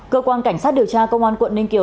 cơ quan cảnh sát điều tra công an quận ninh kiều